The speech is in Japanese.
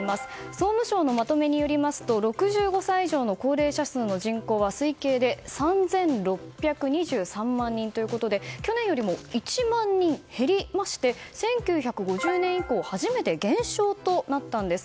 総務省のまとめによりますと６５歳以上の高齢者数の人口は推計で３６２３万人ということで去年よりも１万人減りまして１９５０年以降初めて減少となったんです。